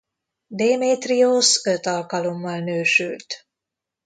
Démétriosz öt alkalommal nősült.